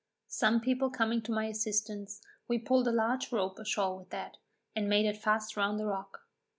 Some people coming to my assistance, we pulled a large rope ashore with that, and made it fast round a rock.